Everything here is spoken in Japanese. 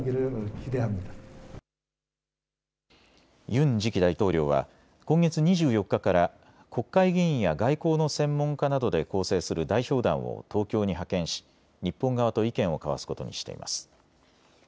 ユン次期大統領は今月２４日から国会議員や外交の専門家などで構成する代表団を東京に派遣し日本側と意見を交わすことにしています。